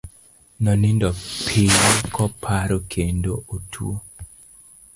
Nonindo piny koparo kendo otuo.